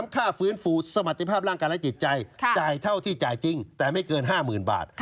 ค่าฟื้นฟูสมรรถภาพร่างกายและจิตใจจ่ายเท่าที่จ่ายจริงแต่ไม่เกิน๕๐๐๐บาท